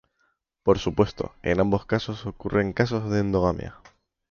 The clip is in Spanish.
Por supuesto, en ambos casos ocurren casos de endogamia.